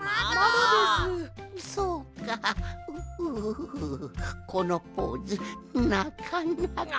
うううこのポーズなかなか。